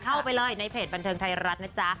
เข้าไปเลยในเพจบันเทิงไทยรัฐนะจ๊ะ